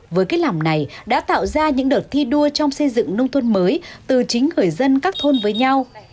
với cách làm này đã tạo ra những đợt thi đua trong xây dựng nông thôn mới từ chính người dân các thôn với nhau